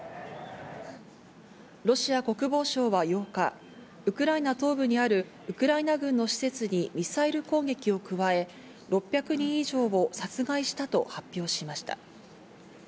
ロシア国防省は８日、ウクライナ東部にあるウクライナ軍の施設にミサイル攻撃を加え、６００人以上を殺害したと発表しました。